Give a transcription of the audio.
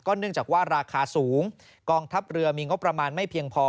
เนื่องจากว่าราคาสูงกองทัพเรือมีงบประมาณไม่เพียงพอ